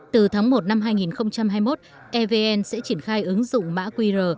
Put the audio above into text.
từ tháng một năm hai nghìn hai mươi một evn sẽ triển khai ứng dụng mã qr